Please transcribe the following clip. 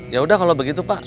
ya udah kalau begitu pak